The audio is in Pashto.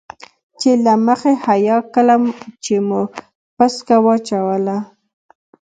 چې له مخې حيا کله چې مو پسکه واچوله.